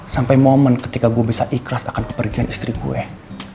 sampai momen ketika gue bisa ikhlas akan kepergian istri gue